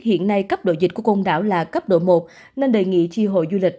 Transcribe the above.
hiện nay cấp độ dịch của côn đảo là cấp độ một nên đề nghị chi hội du lịch